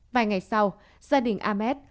vài ngày sau gia đình ahmed